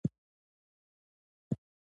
سوله به راشي؟